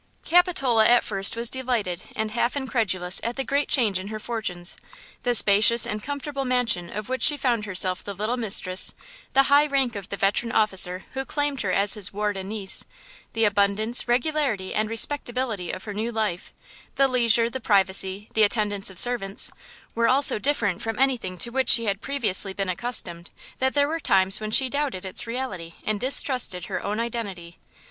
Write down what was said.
CAPITOLA at first was delighted and half incredulous at the great change in her fortunes. The spacious and comfortable mansion of which she found herself the little mistress; the high rank of the veteran officer who claimed her as his ward and niece; the abundance, regularity and respectability of her new life; the leisure, the privacy, the attendance of servants, were all so different from anything to which she had previously been accustomed that there were times when she doubted its reality and distrusted her own identity.